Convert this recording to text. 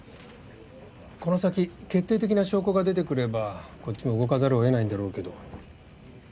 この先決定的な証拠が出てくればこっちも動かざるを得ないんだろうけど。